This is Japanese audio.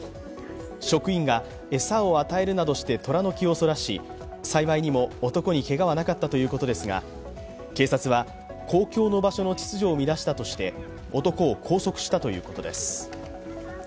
職員が餌を与えるなどして虎の気をそらし、幸いにも男にけがはなかったということですが、警察は公共の場所の秩序を乱したとして男を拘束したということです。